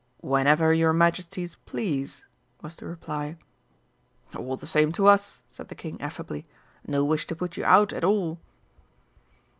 "Whenever your Majesties please," was the reply. "All the same to us," said the King affably. "No wish to put you out at all."